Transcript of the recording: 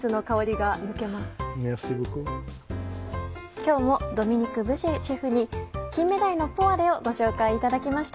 今日もドミニク・ブシェシェフに「金目鯛のポワレ」をご紹介いただきました。